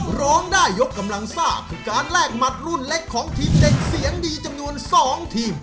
ร้องได้ยกกำลังซ่าคือการแลกหมัดรุ่นเล็กของทีมเด็กเสียงดีจำนวน๒ทีม